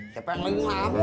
siapa yang lagi lamu